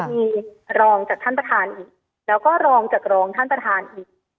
มีรองจากท่านประธานอีกแล้วก็รองจากรองท่านประธานอีก